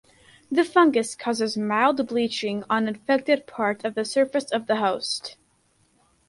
The fungus causes mild bleaching on infected parts of the surface of the host.